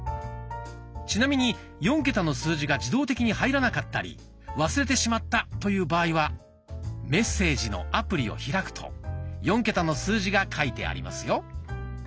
ちなみに４桁の数字が自動的に入らなかったり忘れてしまったという場合は「メッセージ」のアプリを開くと４桁の数字が書いてありますよ。